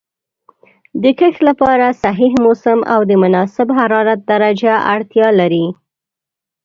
د کښت لپاره صحیح موسم او د مناسب حرارت درجه اړتیا لري.